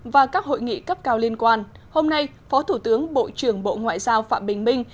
và các hội nghị cấp cao liên quan hôm nay phó thủ tướng bộ trưởng bộ ngoại giao phạm bình minh